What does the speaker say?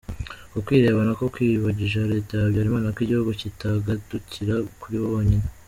Uko kwireba nako kwibagije leta ya Habyalimana ko igihugu kitagatukira kuri bo bonyine.